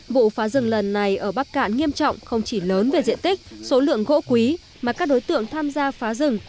vụ phá rừng lần này ở bắc cạn nghiêm trọng không chỉ lớn về diện tích số lượng gỗ quý mà các đối tượng tham gia phá rừng